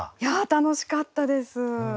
楽しかったです！